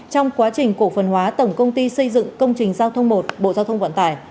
trong quá trình cổ phần hóa tổng công ty xây dựng công trình giao thông một bộ giao thông vận tải